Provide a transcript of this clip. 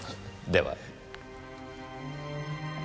では。